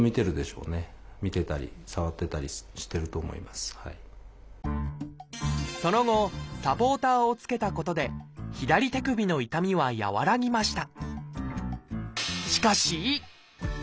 そうそれはその後サポーターを着けたことで左手首の痛みは和らぎました